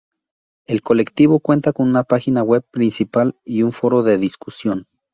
El colectivo cuenta con una página web principal y un foro de discusión.